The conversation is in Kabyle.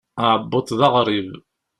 Aɛebbuḍ d arɣib.